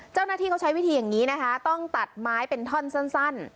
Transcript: เจ้าหน้าที่เขาใช้วิธีอย่างนี้นะคะต้องตัดไม้เป็นท่อนสั้น